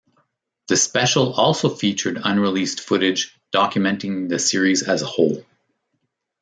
The special also featured unreleased footage documenting the series as a whole.